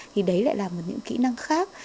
thì đấy lại là một những kỹ năng khác